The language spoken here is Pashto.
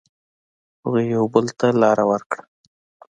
هغوی یو بل ته لاره ورکړه.